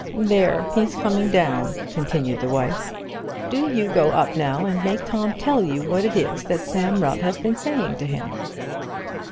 "There; he's coming down," continued the wife. "Do you go up now, and make Tom tell you what it is that Sam Rubb has been saying to him."